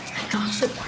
nah aku snug